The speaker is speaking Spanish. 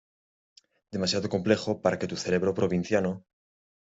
demasiado complejo para que tu cerebro provinciano